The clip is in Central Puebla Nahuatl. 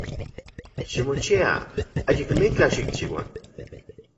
Ximochia, ayakmitlaj xikchiua.